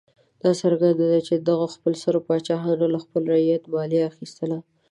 دا څرګنده ده چې دغو خپلسرو پاچاهانو له خپل رعیت مالیه اخیستله.